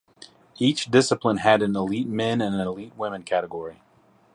Each discipline had an Elite Men and an Elite Women category.